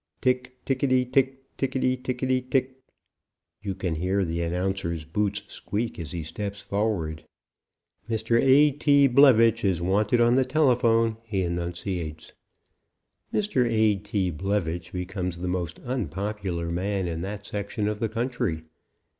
"Tick tickity tick tickity tickity tickity." You can hear the announcer's boots squeak as he steps forward. "Mr. A.T. Blevitch is wanted on the telephone," he enunciates. Mr. A.T. Blevitch becomes the most unpopular man in that section of the country.